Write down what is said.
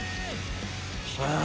あ。